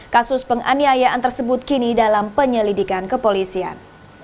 kasus penganiayaan tersebut kini dalam penyelidikan kepolisian